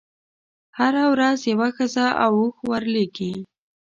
هره ورځ یوه ښځه او اوښ ورلېږي.